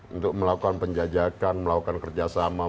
untuk melakukan penjajakan melakukan kerjasama